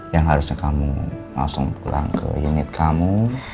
yang harusnya kamu langsung pulang ke unit kamu